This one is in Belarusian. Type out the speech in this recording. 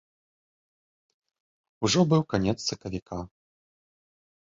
Ужо быў канец сакавіка.